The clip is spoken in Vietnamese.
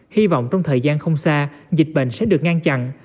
hy vọng trong thời gian không xa dịch bệnh sẽ được ngăn chặn